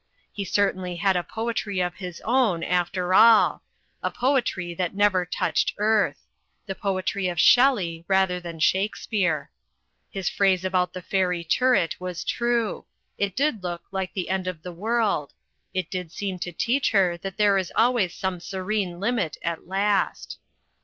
He certainly had a poetry of his own, after all; a poetry that never touched earth; the poetry of Shelley rather than Shakespeare. His phrase about VEGETARIANISM 135 the fairy turret was true: it did look like the end of the world. It did seem to teach her that there is always some serene limit at last.